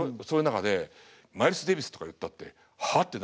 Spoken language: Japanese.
そういう中でマイルス・デイビスとか言ったって「はあ？」